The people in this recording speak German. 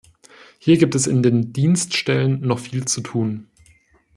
Hier gibt es in den Dienststellen noch viel zu tun!